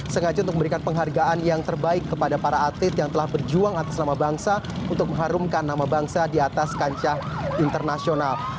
sengaja untuk memberikan penghargaan yang terbaik kepada para atlet yang telah berjuang atas nama bangsa untuk mengharumkan nama bangsa di atas kancah internasional